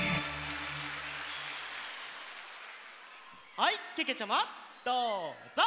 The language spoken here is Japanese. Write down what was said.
はいけけちゃまどうぞ。